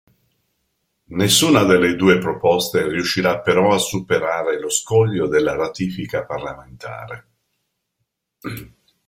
Nessuna delle due proposte riuscirà però a superare lo scoglio della ratifica parlamentare.